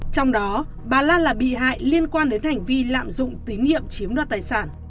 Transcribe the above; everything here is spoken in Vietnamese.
trong đó bà lan là bị hại liên quan đến hành vi lạm dụng tín nhiệm chiếm đoạt tài sản